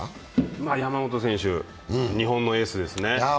山本選手、日本のエースですね。